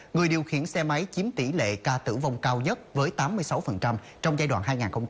người điều khiển xe máy chiếm tỷ lệ ca tử vong cao nhất với tám mươi sáu trong giai đoạn hai nghìn hai mươi hai nghìn hai mươi hai